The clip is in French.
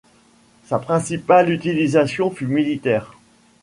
Sa principale utilisation fut militaire.